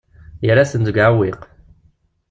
Yerra-ten deg uɛewwiq.